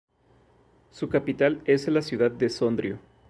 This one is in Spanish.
Su capital es la ciudad de Sondrio.